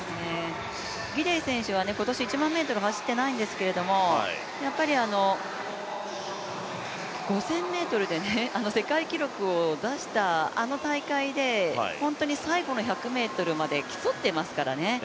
ギデイ選手は今年１００００ｍを走っていないんですけれども、やっぱり５０００ｍで世界記録を出したあの大会で本当に最後の１００ｍまで競っていますからね。